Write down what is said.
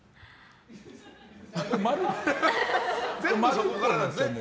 全部そこからなんですね。